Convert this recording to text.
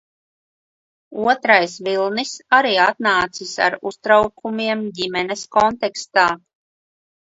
Otrais vilnis arī atnācis ar uztraukumiem ģimenes kontekstā.